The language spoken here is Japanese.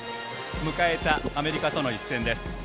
迎えたアメリカとの一戦です。